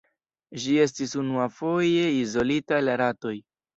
Ĝi estis unuafoje izolita el ratoj.